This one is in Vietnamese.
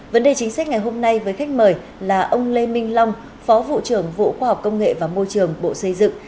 vấn đề chính sách ngày hôm nay với khách mời là ông lê minh long phó vụ trưởng vụ khoa học công nghệ và môi trường bộ xây dựng